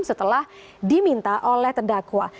setelah diminta oleh terdakwa